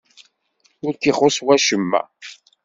Ur k-ixuṣṣ wacemma?